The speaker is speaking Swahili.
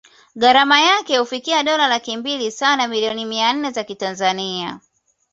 Gharama yake hufikia dola laki mbili sawa na millioni mia nne za kitanzania